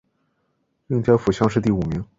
应天府乡试第五名。